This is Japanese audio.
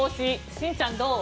しんちゃん、どう？